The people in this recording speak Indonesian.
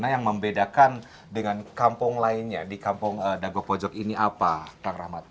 nah yang membedakan dengan kampung lainnya di kampung dagopojok ini apa kang rahmat